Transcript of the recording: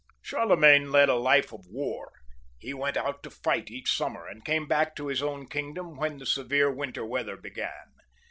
Charlemagne led a life of war ; he went out to fight each summer, and came back to his own kingdom when the severe winter weather began.